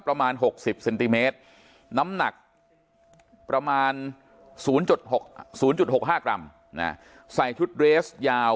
ประมาณ๖๐เซนติเมตรน้ำหนักประมาณ๐๖๐๖๕กรัมใส่ชุดเรสยาว